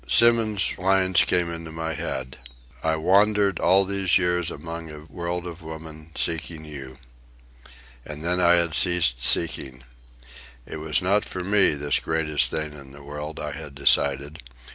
Symons's lines came into my head: "I wandered all these years among A world of women, seeking you." And then I had ceased seeking. It was not for me, this greatest thing in the world, I had decided.